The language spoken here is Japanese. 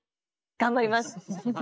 頑張ります！